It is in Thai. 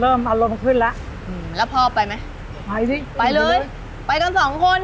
อารมณ์ขึ้นแล้วอืมแล้วพ่อไปไหมไปสิไปเลยไปกันสองคน